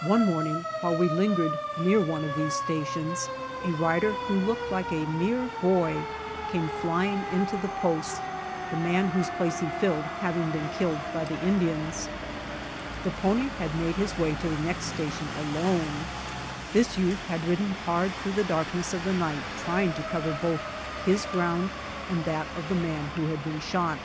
One morning while we lingered near one of these stations, a rider who looked like a mere boy came flying into the post, the man w^hose place he filled having been killed by the Indians. The pony had 94 BY ox TEAM TO CALIFORNIA made his way to the next station alone. This youth had ridden hard through the darkness of the night trying to cover both his own ground and that of the man who had been shot.